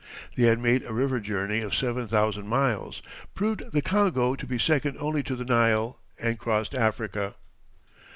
They had made a river journey of seven thousand miles, proved the Congo to be second only to the Nile, and crossed Africa.